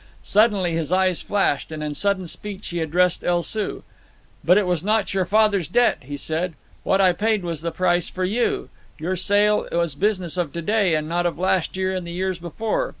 Suddenly his eyes flashed, and in sudden speech he addressed El Soo. "But it was not your father's debt," he said, "What I paid was the price for you. Your sale is business of to day and not of last year and the years before.